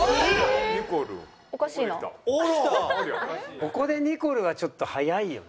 ここでニコルはちょっと早いよね。